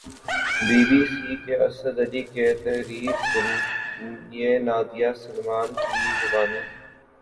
be B C کے اسد علی کی تحریر سنیے نادیہ سلیمان کی زبانی